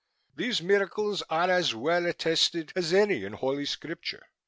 These miracles are as well attested as any in Holy Scripture.